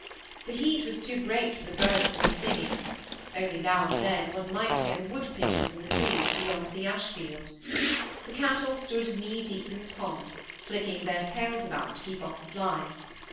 The heat was too great for the birds to be singing; only now and then one might hear the wood pigeons in the trees beyond the Ashfield. The cattle stood knee deep in the pond, flicking their tails about to keep off the flies.